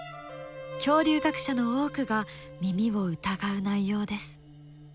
恐竜学者の多くが耳を疑う内容です。